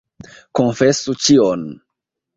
Konfesu ĉion.